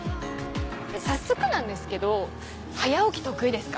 早速なんですけど早起き得意ですか？